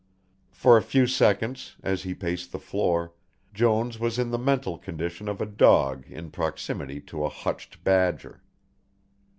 For a few seconds, as he paced the floor, Jones was in the mental condition of a dog in proximity to a hutched badger.